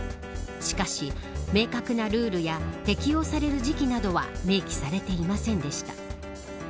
しかし、明確なルールや適用される時期などは明記されていませんでした。